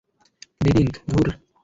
Drink, ধুর!